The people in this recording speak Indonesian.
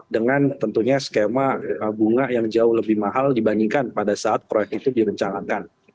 dengan tentunya skema bunga yang jauh lebih mahal dibandingkan pada saat proyek itu direncanakan